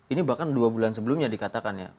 ini bahkan dua bulan sebelumnya dikatakan ya